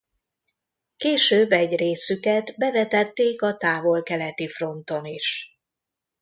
Később egy részüket bevetették a távol-keleti fronton is.